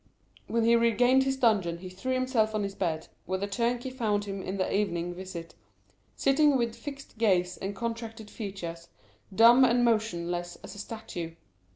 When he regained his dungeon, he threw himself on his bed, where the turnkey found him in the evening visit, sitting with fixed gaze and contracted features, dumb and motionless as a statue.